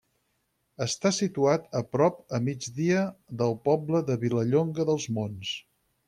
Està situat a prop a migdia del poble de Vilallonga dels Monts.